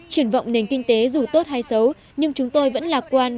triển vọng nền kinh tế dù tốt hay xấu nhưng chúng tôi vẫn lạc quan